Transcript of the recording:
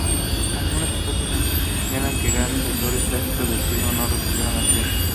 Algunos expertos señalan que grandes autores clásicos del siglo no recibieron el premio.